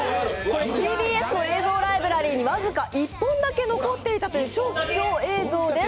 ＴＢＳの映像ライブラリーに僅か１本だけ残っていたという超貴重映像です。